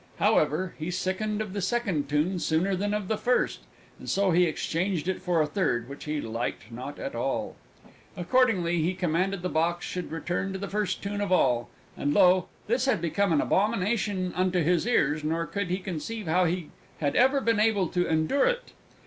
However, he sickened of the second tune sooner than of the first, and so he exchanged it for a third, which he liked not at all. Accordingly he commanded that the Box should return to the first tune of all and lo! this had become an abomination unto his ears, nor could he conceive how he had ever been able to endure it!